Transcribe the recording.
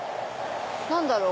何だろう？